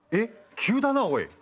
急だなおい。